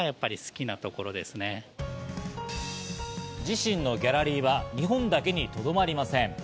自身のギャラリーは日本だけにとどまりません。